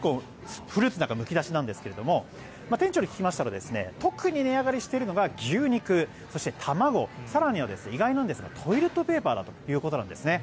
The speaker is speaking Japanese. フルーツなんかむき出しなんですが店長に聞きましたら特に値上がりしているのが牛肉そして卵更には意外なんですがトイレットペーパーだということなんですね。